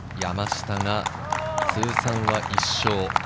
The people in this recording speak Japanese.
山下が通算１勝。